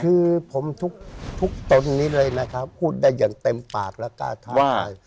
คือผมทุกตนนี้เลยนะครับพูดได้อย่างเต็มปากและกล้าทำ